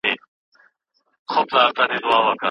دین مذهب سودا کوي شیخان په زرو